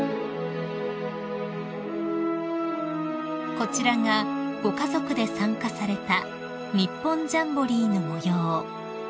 ［こちらがご家族で参加された日本ジャンボリーの模様］